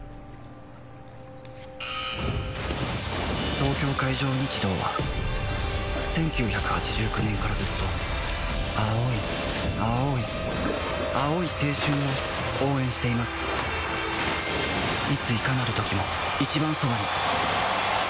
東京海上日動は１９８９年からずっと青い青い青い青春を応援していますＰａｙＰａｙクーポンで！